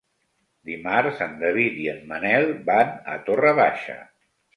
Dimarts en David i en Manel van a Torre Baixa.